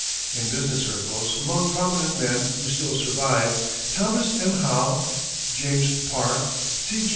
In business circles among prominent men who still survive, Thomas M. Howe, James Park, C.G.